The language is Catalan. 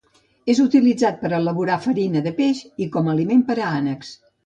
És utilitzat per a elaborar farina de peix i com a aliment per a ànecs.